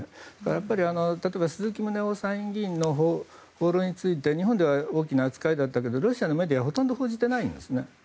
やっぱり例えば鈴木宗男参議院議員の訪露について日本は大きな報道だったけどロシアだとほとんど報じてないんですね。